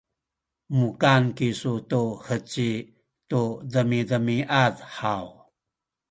mukan kisu tu heci tu demiamiad haw?